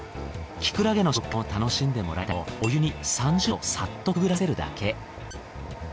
キクラゲの食感を楽しんでもらいたいとお湯に３０秒さっとくぐらせるだけ。